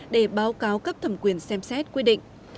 để báo cáo cấp thẩm quyền xem xét quy định